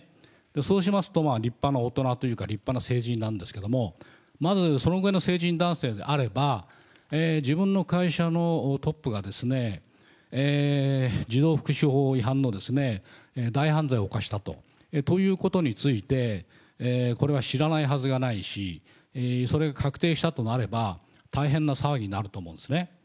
そうしますと、立派な大人というか、立派な成人なんですけれども、まずそのぐらいの成人男性であれば、自分の会社のトップが、児童福祉法違反の大犯罪を犯したということについて、これは知らないはずがないし、それが確定したとなれば、大変な騒ぎになると思うんですね。